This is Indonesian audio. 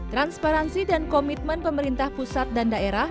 transparansi dan komitmen pemerintah pusat dan daerah